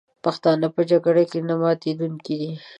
پښتانه په جګړه کې نه ماتېدونکي دي.